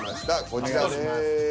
こちらです。